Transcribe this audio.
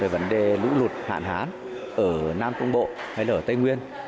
vấn đề lũ lụt hạn hán ở nam trung bộ hay là ở tây nguyên